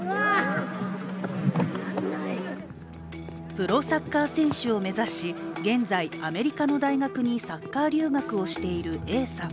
プロサッカー選手を目指し、現在、アメリカの大学にサッカー留学をしているＡさん。